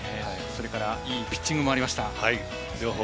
それからいいピッチングもありました。